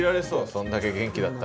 そんだけ元気だったら。